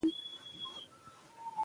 پښتو ادب متلونه لري